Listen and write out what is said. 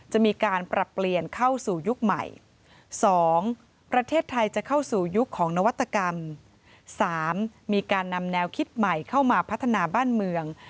จะมีการปรับเปลี่ยนเข้าสู่ยุคใหม่๒ประเทศไทยจะเข้าสู่ยุคของนวัตกรรม๓มีการนำแนวคิดใหม่เข้ามาพัฒนาบ้านเมือง